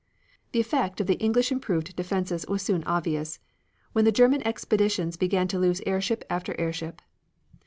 The effect of the English improved defenses was soon obvious, when the German expeditions began to lose airship after airship.